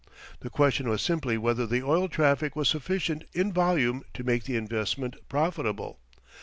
The question was simply whether the oil traffic was sufficient in volume to make the investment profitable.